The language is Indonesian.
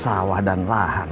siapa kata kesan apa diberikan